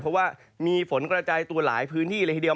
เพราะว่ามีฝนกระจายตัวหลายพื้นที่เลยทีเดียว